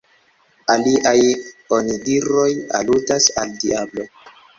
Aliaj onidiroj aludas al diablo.